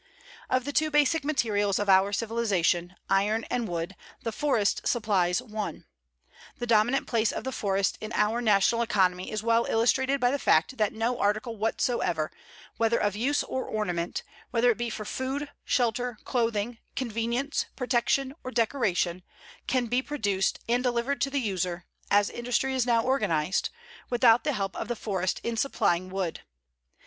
Of the two basic materials of our civilization, iron and wood, the forest supplies one. The dominant place of the forest in our national economy is well illustrated by the fact that no article whatsoever, whether of use or ornament, whether it be for food, shelter, clothing, convenience, protection, or decoration, can be produced and delivered to the user, as industry is now organized, without the help of the forest in supplying wood.